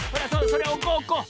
それおこうおこう。